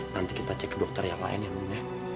nanti kita cek dokter yang lain ya mun ya